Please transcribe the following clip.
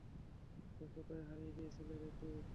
এই, কোথায় হারিয়ে গিয়েছিলি রে তুই?